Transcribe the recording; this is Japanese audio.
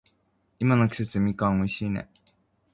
今の季節、みかん美味しいね。